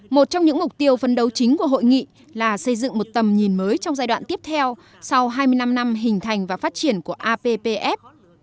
một trong những mục tiêu phấn đấu chính của hội nghị là xây dựng một tầm nhìn mới trong giai đoạn tiếp theo sau hai mươi năm năm hình thành và phát triển của appf